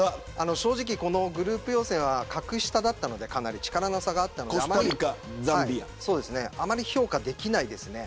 正直このグループ予選は格下だったので力の差があってあまり評価できないです。